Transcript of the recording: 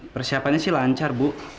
persiapannya sih lancar bu